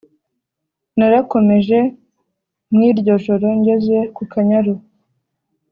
narakomeje mwiryo joro ngeze kukanyaru